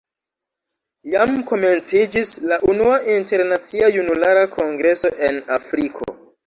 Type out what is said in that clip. Jam komenciĝis la unua Internacia Junulara Kongreso en Afriko.